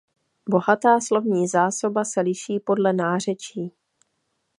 Bohatá slovní zásoba se liší podle nářečí.